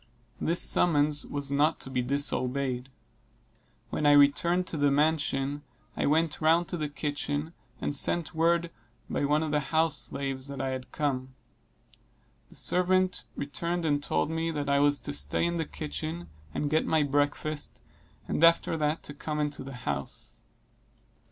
This summons was not to be disobeyed. When I returned to the mansion, I went round to the kitchen, and sent word by one of the house slaves that I had come. The servant returned and told me, that I was to stay in the kitchen and get my breakfast; and after that to come into the house.